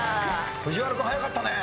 藤原君早かったね。